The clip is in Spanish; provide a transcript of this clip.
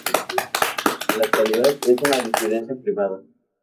En la actualidad, es una residencia privada.